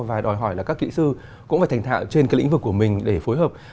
và đòi hỏi là các kỹ sư cũng phải thành thạo trên cái lĩnh vực của mình để phối hợp